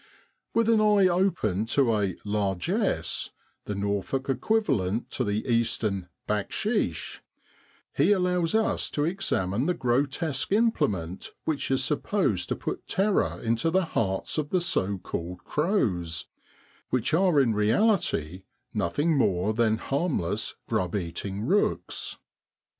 . With an eye open to a ' largess,' the Norfolk equivalent to the Eastern ' back sheesh,' he allows us to examine the grotesque implement which is supposed to put terror into the hearts of the so called crows, which are in reality nothing more than harmless grub eating rooks.